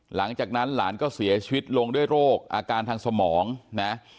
หลังจากนั้นหลานก็เสียชีวิตลงด้วยโรคอาการทางสมองนะ